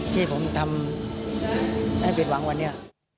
ที่ผมทำให้ผิดหวังวันนี้